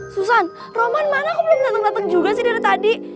susan roman mana kok belum dateng dateng juga sih dari tadi